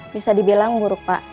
bisa dibilang buruk pak